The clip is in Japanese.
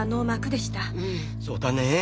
そうだねぇ。